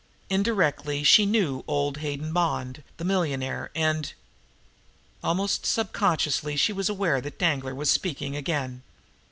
Indirectly, she knew old Hayden Bond, the millionaire, and Almost subconsciously she was aware that Danglar was speaking again.